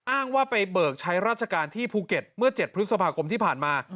อ้างว่าไปเบิกใช้ราชการที่ภูเก็ตเมื่อ๗พฤษภาคมที่ผ่านมา